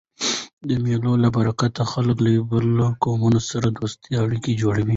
د مېلو له برکته خلک له بېلابېلو قومو سره دوستانه اړيکي جوړوي.